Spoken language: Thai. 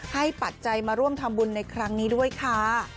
ปัจจัยมาร่วมทำบุญในครั้งนี้ด้วยค่ะ